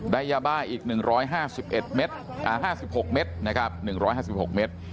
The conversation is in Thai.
ยาบ้าอีก๑๕๑๕๖เมตรนะครับ๑๕๖เมตร